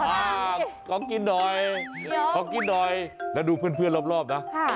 ขอกินหน่อยขอกินหน่อยแล้วดูเพื่อนรอบนะ